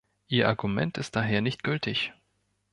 Ihr Argument ist daher nicht gültig.